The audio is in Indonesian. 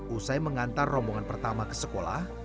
usai mengantar rombongan pertama ke sekolah